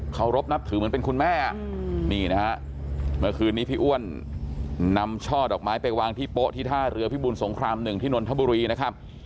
เขารบนับถือเหมือนเป็นคุณแม่นี่นะฮะเมื่อคืนนี้พี่อ้วนนำช่อดอกไม้ไปวางที่โป๊ะที่ท่าเรือพิบูลสงคราม๑ที่นนทบุรีนะครับ